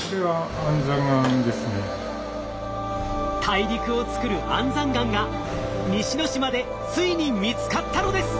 大陸をつくる安山岩が西之島でついに見つかったのです！